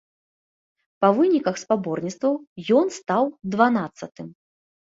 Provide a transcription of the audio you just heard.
Па выніках спаборніцтваў ён стаў дванаццатым.